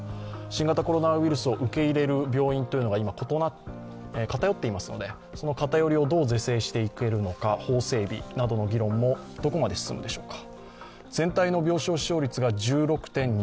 新型コロナウイルスを受け入れる病院が今、偏っていますのでその偏りをどう是正していけるのか法整備などの議論もどこまで進むんでしょうか。